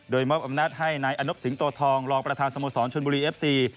โดยมอบอำนาจให้นายอนบสิงโตทองรองประธานสโมสรชนบุรีเอฟซี